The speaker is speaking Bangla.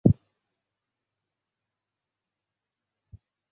আমি যখন ল্যাবে ছিলাম, সেখানে এই মানুষটা ছিল।